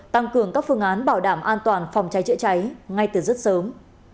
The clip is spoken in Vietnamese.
tăng cường các phương án bảo đảm an toàn phòng cháy chữa cháy ngay từ rất sớm